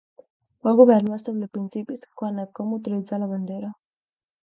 El govern va establir principis quant a com utilitzar la bandera.